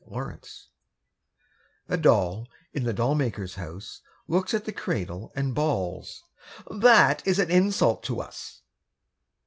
II THE DOLLS A doll in the doll maker's house Looks at the cradle and balls: 'That is an insult to us.'